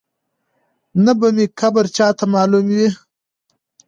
نه به مي قبر چاته معلوم وي